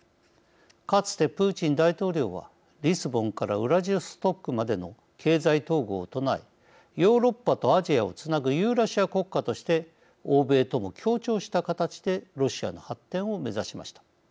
かつてプーチン大統領はリスボンからウラジオストクまでの経済統合を唱えヨーロッパとアジアをつなぐユーラシア国家として欧米とも協調した形でロシアの発展を目指しました。